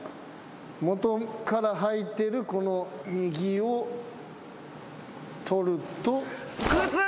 もとから履いてるこの右を取ると。